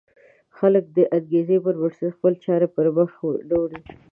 خلک د انګېزې پر بنسټ خپلې چارې پر مخ نه وړي.